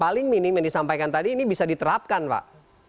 paling minim yang disampaikan tadi ini bisa diterapkan pak